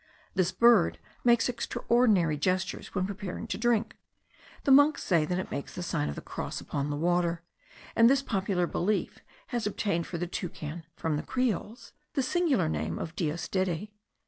This bird makes extraordinary gestures when preparing to drink. The monks say that it makes the sign of the cross upon the water; and this popular belief has obtained for the toucan, from the creoles, the singular name of diostede.